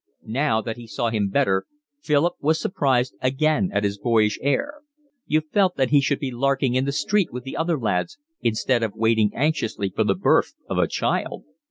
Now that he saw him better Philip was surprised again at his boyish air: you felt that he should be larking in the street with the other lads instead of waiting anxiously for the birth of a child.